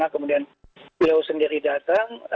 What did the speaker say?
kemudian dia sendiri datang